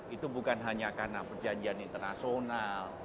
itu bukan hanya karena perjanjian internasional